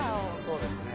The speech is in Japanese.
そうですね。